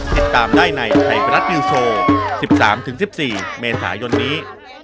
ติดตามได้ในไทยรัฐนิวโชว์๑๓๑๔เมษายนนี้